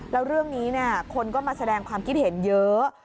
แล้วเรื่องนี้คนก็มาแสดงความคิดเห็นเยอะ